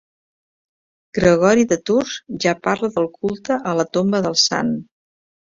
Gregori de Tours ja parla del culte a la tomba del sant.